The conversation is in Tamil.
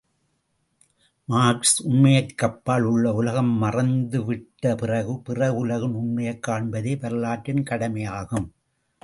மார்க்ஸ் உண்மைக்கப்பால் உள்ள உலகம் மறைந்துவிட்ட பிறகு, புற உலகின் உண்மையைக் காண்பதே வரலாற்றின் கடமையாகும்.